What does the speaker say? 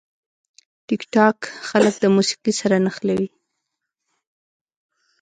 ټیکټاک خلک د موسیقي سره نښلوي.